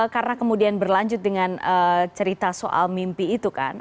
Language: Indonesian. karena kemudian berlanjut dengan cerita soal mimpi itu kan